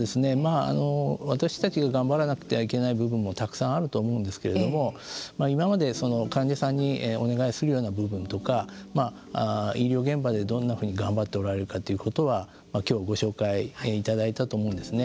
私たちが頑張らなくてはいけない部分もたくさんあると思うんですけれども今まで患者さんにお願いするような部分とか医療現場でどんなふうに頑張っておられるかというのはきょうご紹介いただいたと思うんですね。